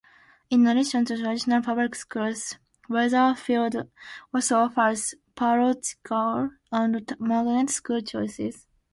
In addition to traditional public schools, Wethersfield also offers parochial and magnet school choices.